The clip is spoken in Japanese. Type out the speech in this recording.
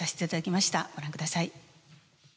ご覧ください。